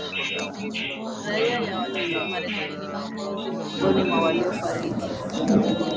raia ya watatu wa marekani ni miongozi miongoni mwa waliofariki